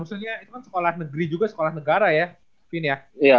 maksudnya itu kan sekolah negeri juga sekolah negara ya vin ya